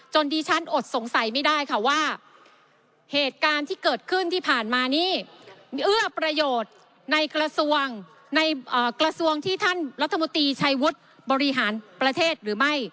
ดิฉันอดสงสัยไม่ได้ค่ะว่าเหตุการณ์ที่เกิดขึ้นที่ผ่านมานี้เอื้อประโยชน์ในกระทรวงในกระทรวงที่ท่านรัฐมนตรีชัยวุฒิบริหารประเทศหรือไม่